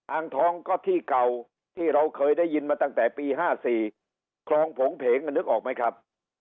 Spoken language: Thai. อ่างทองก็ที่เก่าที่เราเคยได้ยินมาตั้งแต่ปี๕๔คลองผงเพงนึกออกไหมครับ